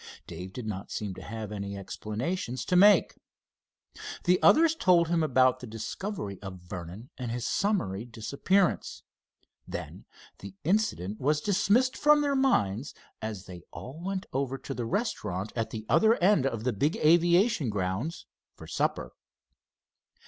Dave did not seem to have any explanations to make. The others told him about the discovery of Vernon and his summary disappearance. Then the incident was dismissed from their minds as they all went over to the restaurant at the other end of the big aviation grounds for supper.